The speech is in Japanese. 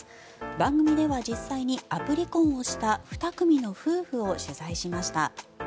番組では実際にアプリ婚をした２組の夫婦を取材しました。